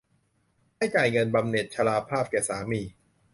ให้จ่ายเงินบำเหน็จชราภาพแก่สามี